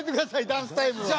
ダンスタイムは。